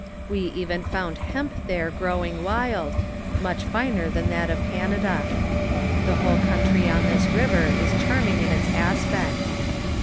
"We oven found hemp there growing wild, much finer than that of Canada. The whole country on this river is charming in its aspect.